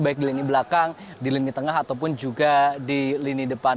baik di lini belakang di lini tengah ataupun juga di lini depan